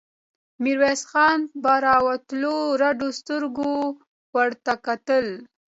ميرويس خان په راوتلو رډو سترګو ورته کتل.